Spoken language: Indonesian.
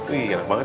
wih enak banget